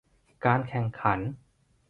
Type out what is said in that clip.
การแข่งขัน